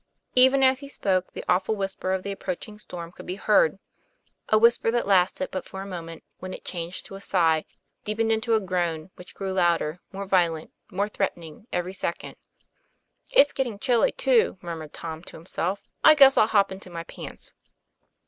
Even as he spoke, the awful whisper of the ap proaching storm could be heard; a whisper that lasted but for a moment, when it changed to a sigh, deepened into a groan, which grew louder, more violent, more threatening every second. 'It's getting chilly too," murmured Tom to him self. ;' I guess I'll hop into my pants."